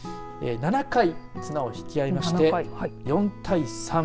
７回、綱を引き合いまして４対３。